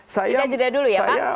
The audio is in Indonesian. kita jeda dulu ya kan